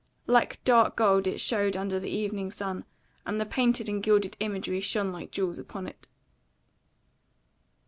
Like dark gold it showed under the evening sun, and the painted and gilded imagery shone like jewels upon it.